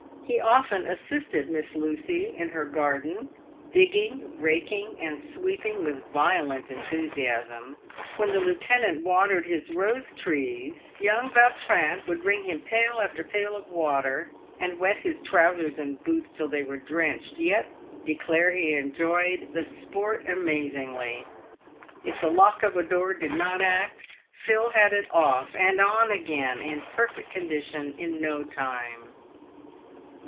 He often assisted Miss Lucy in her garden, digging, raking, and sweeping with violent enthusiasm. "When the lieutenant watered his rose trees, young Vautrin would bring him pail after pail of water, and wet his trousers and boots till they were drenched, yet declare he enjoyed the sport amazingly. If the lock of a door did not act, Phil had it off, and on again, in a perfect condition, in no time.